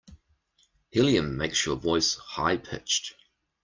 Helium makes your voice high pitched.